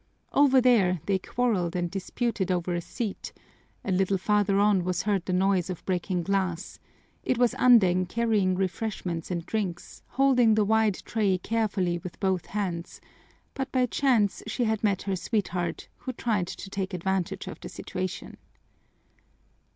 Over there they quarreled and disputed over a seat, a little farther on was heard the noise of breaking glass; it was Andeng carrying refreshments and drinks, holding the wide tray carefully with both hands, but by chance she had met her sweetheart, who tried to take advantage of the situation.